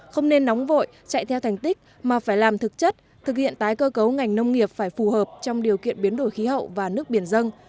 không nên nóng vội chạy theo thành tích mà phải làm thực chất thực hiện tái cơ cấu ngành nông nghiệp phải phù hợp trong điều kiện biến đổi khí hậu và nước biển dân